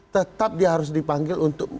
tetap dia harus dipanggil untuk